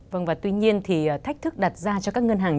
vâng và tuy nhiên thì thách thức đặt ra cho các ngân hàng